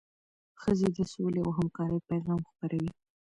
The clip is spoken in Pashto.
ښځې د سولې او همکارۍ پیغام خپروي.